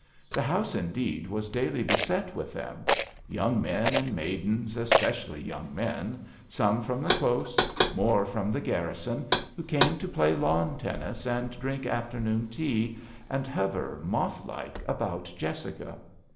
The house indeed was daily beset 78 THE VIOLIN OBBLIGATO. with them ; young men and maidens, especially young men, Bome from the Close, more from the garrison, who came to play lawn tennis and drink afternoon tea and hover, moth like, about Jessica.